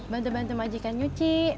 bantu bantu majikan nyuci